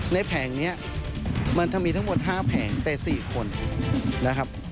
แผงนี้มันจะมีทั้งหมด๕แผงแต่๔คนนะครับ